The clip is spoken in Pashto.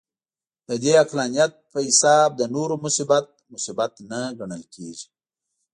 د دې عقلانیت په حساب د نورو مصیبت، مصیبت نه ګڼل کېږي.